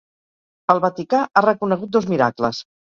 El Vaticà ha reconegut dos miracles.